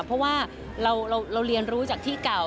เพราะว่าเราเรียนรู้จากที่เก่า